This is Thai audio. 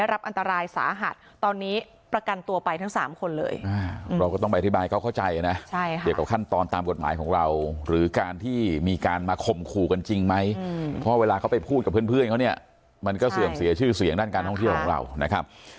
มันจริงไหมเพราะเวลาเขาไปพูดกับเพื่อนเขาเนี่ยมันก็เสื่อมเสียชื่อเสียงด้านการท่องเที่ยวของเรานะครับ